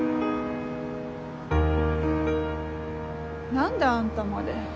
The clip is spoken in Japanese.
何であんたまで。